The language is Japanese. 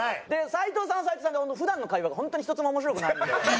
斉藤さんは斉藤さんで普段の会話が本当に一つも面白くないので。